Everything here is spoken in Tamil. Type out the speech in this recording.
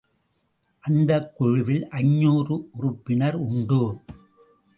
அந்தக் குழுவில் ஐந்நூறு உறுப்பினர் உண்டு.